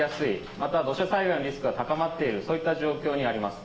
また土砂災害のリスクが高まっている、そういった状況にあります。